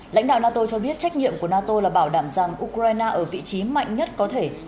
lãnh đạo nato cho biết trách nhiệm của nato là bảo đảm rằng ukraine ở vị trí mạnh nhất có thể